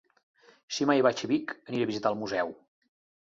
Si mai vaig a Vic, aniré a visitar el museu.